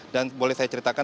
dan boleh saya ceritakan